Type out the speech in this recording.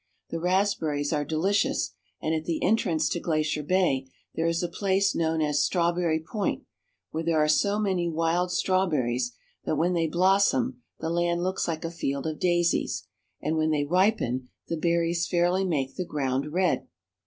The raspberries are delicious, and at the entrance to Glacier Bay there is a place known as Strawberry Point, where there are so many wild strawber ries that when they blossom the land looks like a field of daisies, and when they ripen the berries fairly make the ground red.